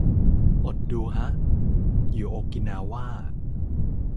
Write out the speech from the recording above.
อดดูฮะ อยู่โอกินาว่า